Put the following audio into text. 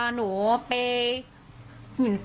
หนูไป